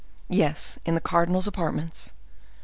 "Yes, in the cardinal's apartments."